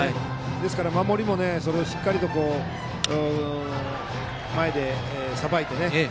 ですから守りもしっかりと前でさばいてね